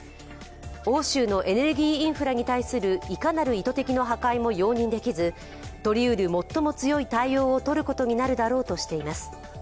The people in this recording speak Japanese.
欧州のエネルギーインフラに対するいかなる意図的な破壊も容認できず取りうる最も強い対応をとることになるだろうとしています。